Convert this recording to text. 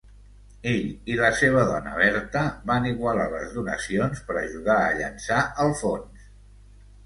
Ell i la seva dona, Bertha, van igualar les donacions per ajudar a llançar el fons.